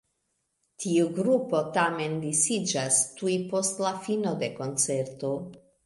Tiu grupo tamen disiĝas tuj post la fino de koncerto.